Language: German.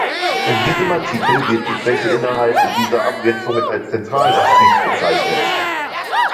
In diesem Artikel wird die Fläche innerhalb dieser Abgrenzungen als Zentralmassiv bezeichnet.